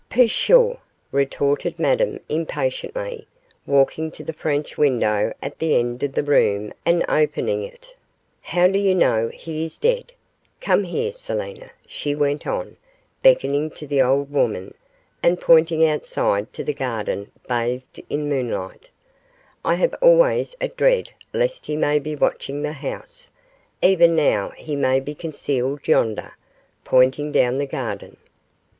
'Pshaw!' retorted Madame, impatiently, walking to the French window at the end of the room and opening it; 'how do you know he is dead? Come here, Selina,' she went on, beckoning to the old woman, and pointing outside to the garden bathed in moonlight; 'I have always a dread lest he may be watching the house. Even now he may be concealed yonder' pointing down the garden.